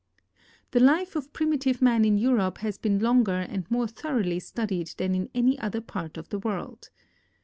The life of primitive man in EurojDe has been longer and more thoroughly studied than in any other part of the world.